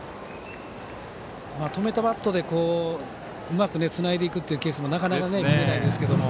止めたバットでうまくつないでいくっていうケースもなかなか見れないですけども。